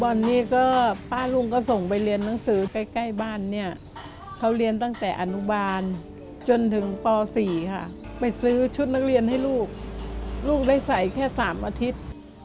วันนี้ก็ป้ารุ่งก็ส่งไปเรียนหนังสือใกล้บ้านเนี่ยเขาเรียนตั้งแต่อนุบาลจนถึงป๔ค่ะไปซื้อชุดนักเรียนให้ลูกลูกได้ใส่แค่๓อาทิตย์